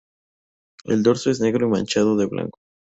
El dorso es negro y manchado de blanco.